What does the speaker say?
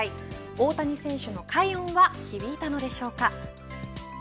大谷選手の快音は響いたのでしょうか。